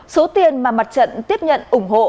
số tiền mà mặt trận tiếp nhận ủng hộ